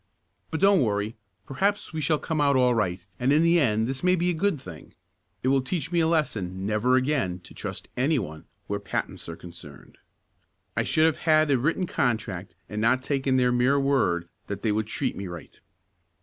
"But don't worry. Perhaps we shall come out all right, and in the end this may be a good thing. It will teach me a lesson never again to trust any one where patents are concerned. I should have had a written contract and not taken their mere word that they would treat me right."